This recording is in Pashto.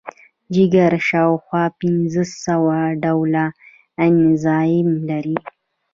جگر شاوخوا پنځه سوه ډوله انزایم لري.